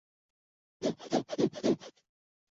基蒂马特是加拿大不列颠哥伦比亚省的一个城镇。